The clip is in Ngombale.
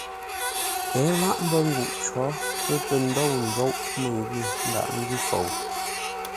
Ə́ láʼ mbə́ nguʼ cǒ, pə́ pə̂ ndôu ńzóʼ məngwʉ̂ ńdaghʼ ńgʉ́ fou.